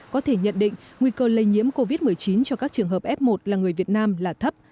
có thể nhận định nguy cơ lây nhiễm covid một mươi chín cho các trường hợp f một là người việt nam là thấp